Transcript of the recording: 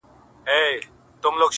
زما څه عبادت په عادت واوښتی-